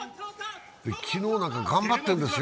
昨日なんか、頑張っているんですよ